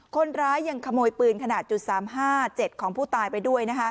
คนร้ายยังขโมยปืนขนาด๓๕๗ของผู้ตายไปด้วย